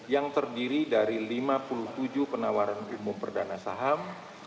yang terdiri dari lima puluh tujuh penawaran umum perdana saham